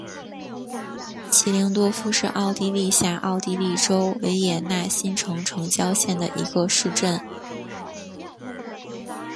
齐灵多夫是奥地利下奥地利州维也纳新城城郊县的一个市镇。